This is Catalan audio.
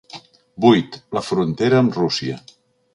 Vuit- La frontera amb Rússia.